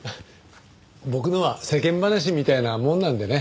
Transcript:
僕のは世間話みたいなもんなんでね。